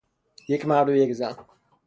یک مرد و یک زن